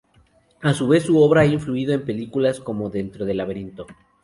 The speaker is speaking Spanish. A su vez, su obra ha influido en películas como Dentro del laberinto.